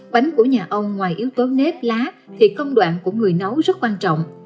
bánh của nhà ông ngoài yếu tố nếp lá thì công đoạn của người nấu rất quan trọng